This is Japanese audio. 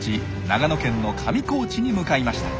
長野県の上高地に向かいました。